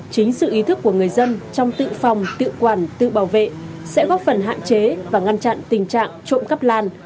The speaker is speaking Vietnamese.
chính sự ý thức của người dân trong tự phòng tự quản tự bảo vệ sẽ góp phần hạn chế và ngăn chặn tình trạng trộm cắp lan